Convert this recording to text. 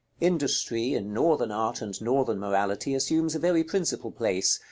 Industry, in Northern art and Northern morality, assumes a very principal place.